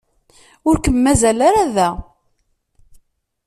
Ur kem-mazal ara da.